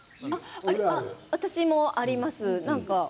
私あります